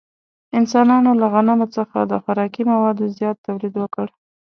انسانانو له غنمو څخه د خوراکي موادو زیات تولید وکړ.